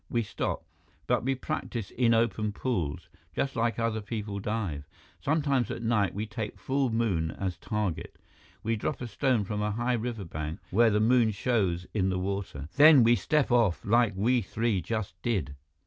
"We stop. But we practice in open pools, just like other people dive. Sometimes at night, we take full moon as target. We drop a stone from a high riverbank, where the moon shows in the water. Then we step off like we three just did."